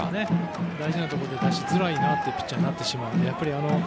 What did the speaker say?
大事なところで出しづらいピッチャーになってしまうので。